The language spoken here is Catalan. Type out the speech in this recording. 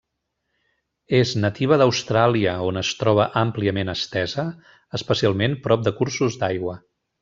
És nativa d'Austràlia, on es troba àmpliament estesa, especialment prop de cursos d'aigua.